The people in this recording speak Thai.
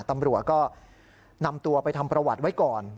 ตำรวจก็นำตัวไปทำประวัติไว้ก่อน